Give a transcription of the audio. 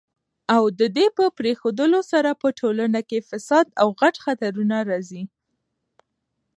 او ددي په پريښودلو سره په ټولنه کي فساد او غټ خطرونه راځي